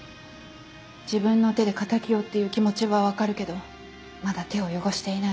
「自分の手で敵を」っていう気持ちは分かるけどまだ手を汚していない